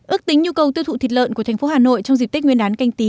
ước tính nhu cầu tiêu thụ thịt lợn của thành phố hà nội trong dịp tết nguyên đán canh tí